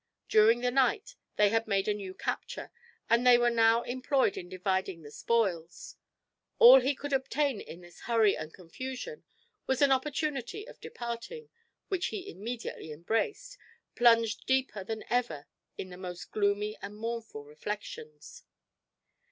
During the night they had made a new capture, and they were now employed in dividing the spoils. All he could obtain in this hurry and confusion was an opportunity of departing, which he immediately embraced, plunged deeper than ever in the most gloomy and mournful reflections.